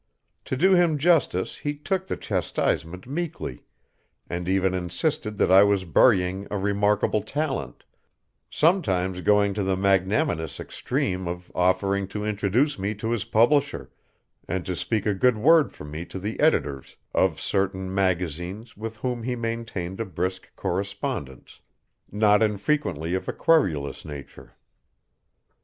To do him justice he took the chastisement meekly, and even insisted that I was burying a remarkable talent, sometimes going to the magnanimous extreme of offering to introduce me to his publisher, and to speak a good word for me to the editors of certain magazines with whom he maintained a brisk correspondence, not infrequently of a querulous nature.